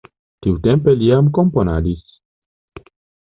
Tiutempe li jam komponadis.